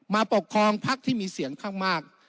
ปกครองพักที่มีเสียงข้างมาก